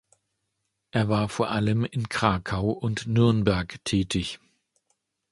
Er war vor allem in Krakau und Nürnberg tätig.